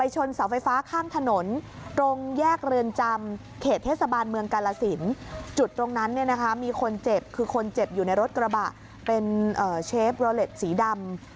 เจ็บอยู่ในรถกระบะเป็นเชฟโรเล็ตสีดำ